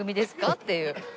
っていう。